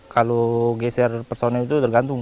kalau geser personil itu tergantung